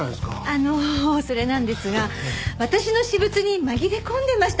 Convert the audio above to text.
あのそれなんですが私の私物に紛れ込んでました。